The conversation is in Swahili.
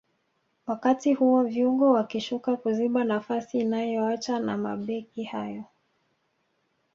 wakati huo viungo wakishuka kuziba nafasi inayoacha na mabeki hao